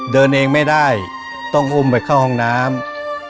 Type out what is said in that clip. เดินเองไม่ได้ต้องอุ้มไปเข้าห้องน้ำ